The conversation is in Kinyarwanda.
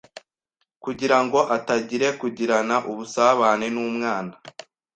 kugira ngo atangire kugirana ubusabane n’umwana